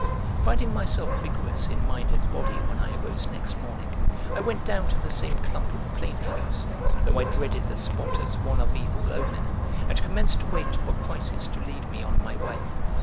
Finding myself vigorous in mind and body when I arose next morning, I went down to the same clump of plane trees, though I dreaded the spot as one of evil omen, and commenced to wait for Chrysis to lead me on my way.